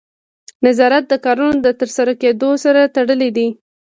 نظارت د کارونو د ترسره کیدو سره تړلی دی.